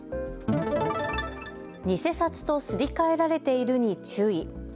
偽札とすり替えられているに注意。